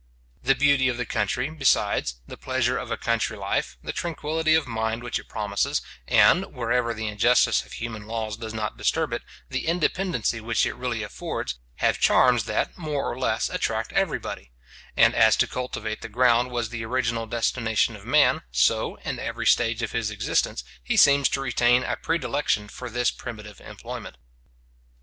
The beauty of the country, besides, the pleasure of a country life, the tranquillity of mind which it promises, and, wherever the injustice of human laws does not disturb it, the independency which it really affords, have charms that, more or less, attract everybody; and as to cultivate the ground was the original destination of man, so, in every stage of his existence, he seems to retain a predilection for this primitive employment.